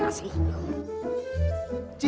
kagak usah dikasih